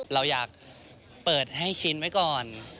เราอยากเปิดให้ชิ้นไว้ก่อน